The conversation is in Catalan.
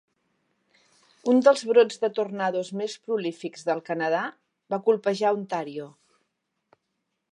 Un dels brots de tornados més prolífics del Canadà va colpejar Ontario.